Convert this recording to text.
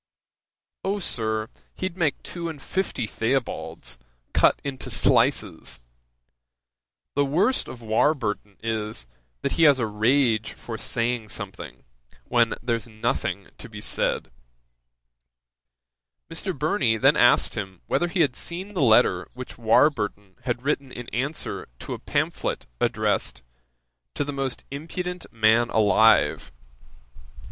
"O, Sir, he'd make two and fifty Theobalds, cut into slices! The worst of Warburton is, that he has a rage for saying something, when there's nothing to be said." Mr. Burney then asked him whether he had seen the letter which Warburton had written in answer to a pamphlet addressed "To the most impudent Man alive."